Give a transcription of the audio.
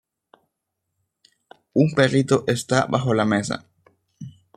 Un perrito está bajo la mesa.